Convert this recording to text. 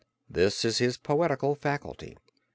This is his poetical faculty.